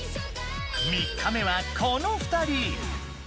３日目はこの２人。